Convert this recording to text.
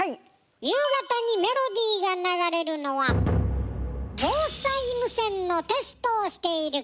夕方にメロディーが流れるのは防災無線のテストをしているから。